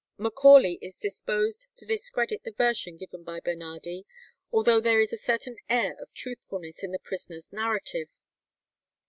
Macaulay is disposed to discredit the version given by Bernardi, although there is a certain air of truthfulness in the prisoner's narrative.